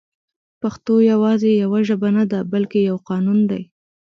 پښتو يوازې يوه ژبه نه ده بلکې يو قانون دی